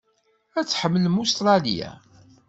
Ad tḥemmlem Ustṛalya.